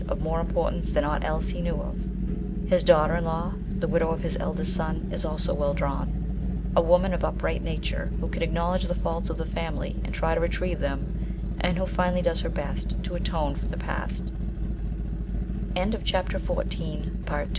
of more importance than aught else he knew of. His daughter in law, the widow of his eldest son, is also well drawn ; a woman of upright nature who can ac knowledge the faults of the family, and try to retrieve them, and who finally does her best to ato